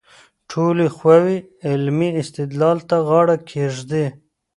ټولې خواوې علمي استدلال ته غاړه کېږدي.